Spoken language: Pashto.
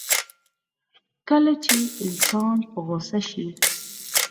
کله چې انسان په غوسه شي.